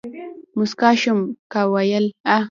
موسکا شوم ، کا ويل ،